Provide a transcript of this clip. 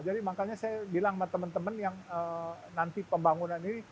jadi makanya saya bilang sama teman teman yang nanti pembangunan ini